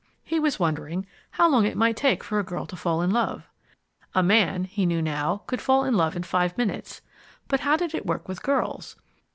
He was wondering how long it might take for a girl to fall in love? A man he knew now could fall in love in five minutes, but how did it work with girls?